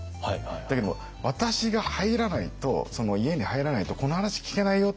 だけども私が入らないとその家に入らないとこの話聞けないよ